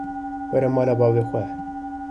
Were mala bavê xwe.